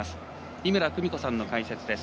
井村久美子さんの解説です。